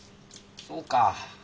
そうか。